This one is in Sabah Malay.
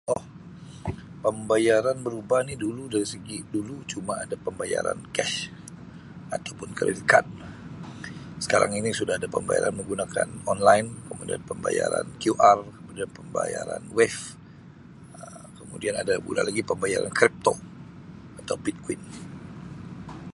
Oh pembayaran berubah ni dulu dari segi dulu cuma ada pembayaran cash atau pun kredit kad sekarang ini sudah ada pembayaran menggunakan online kemudian pembayaran QR kemudian pembayaran wave Um kemudian ada pula lagi pembayaran Crypto atau Bitcoin.